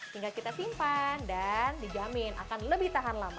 tinggal kita simpan dan dijamin akan lebih tahan lama